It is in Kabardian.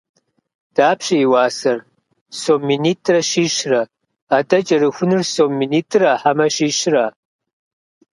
Дапщэ и уасэр? Сом минитӏрэ щищрэ. Атӏэ, кӏэрыхуныр сом минитӏра, хьэмэ щищра?